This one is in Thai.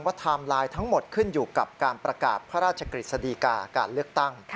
ไทม์ไลน์ทั้งหมดขึ้นอยู่กับการประกาศพระราชกฤษฎีกาการเลือกตั้ง